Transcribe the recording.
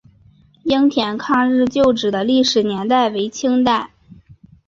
雁田抗英旧址的历史年代为清代。